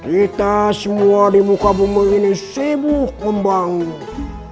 kita semua di muka bumi ini sibuk membangun